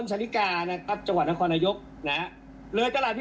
เชอร์รี่ไปกินกาแฟกันดีกว่าค่ะ